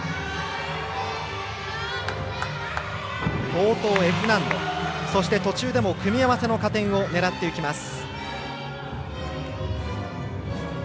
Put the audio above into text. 冒頭、Ｆ難度そして途中でも組み合わせの加点を狙っていきます。